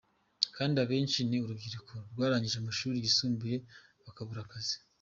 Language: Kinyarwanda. Kandi abenshi ni urubyiruko rwarangije amashuri yisumbuye bakabura akazi.